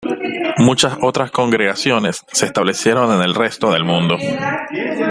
Muchas otras congregaciones se establecieron en el resto del mundo.